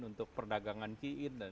untuk perdagangan key in